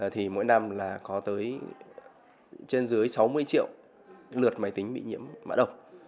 thì mỗi năm là có tới trên dưới sáu mươi triệu lượt máy tính bị nhiễm mã độc